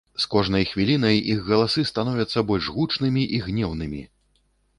З кожнай хвілінай іх галасы становяцца больш гучнымі і гнеўнымі.